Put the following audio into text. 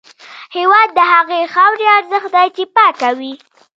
هېواد د هغې خاورې ارزښت دی چې پاکه وي.